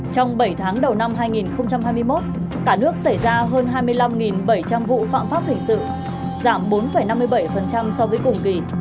trong bảy tháng đầu năm hai nghìn hai mươi một cả nước xảy ra hơn hai mươi năm bảy trăm linh vụ phạm pháp hình sự giảm bốn năm mươi bảy so với cùng kỳ